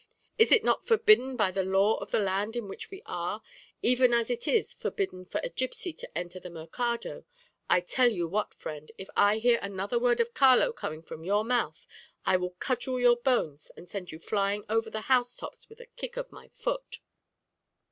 Is it not forbidden by the law of the land in which we are, even as it is forbidden for a gipsy to enter the mercado? I tell you what, friend, if I hear another word of Caló come from your mouth, I will cudgel your bones and send you flying over the house tops with a kick of my foot."